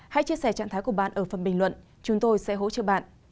hãy chia sẻ trạng thái của bạn ở phần bình luận chúng tôi sẽ hỗ trợ bạn